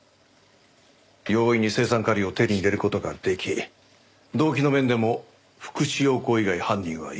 容易に青酸カリを手に入れる事ができ動機の面でも福地陽子以外犯人はいない。